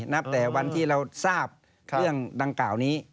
นับแต่วันที่เราทราบเรื่องดังกล่าวนี้